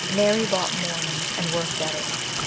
Mary bought mourning, and worked at it.